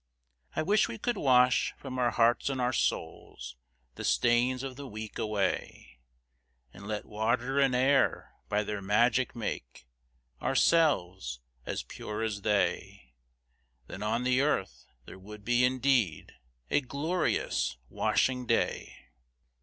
I wish we could wash from our hearts and our souls The stains of the week away, And let water and air by their magic make Ourselves as pure as they; Then on the earth there would be indeed A glorious washing day!